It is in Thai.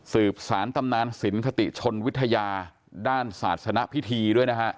สืบสารตำนานสินคติชนวิทยาด้านศาสนพิธีด้วยนะฮะ